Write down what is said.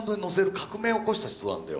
革命を起こした人なんだよ。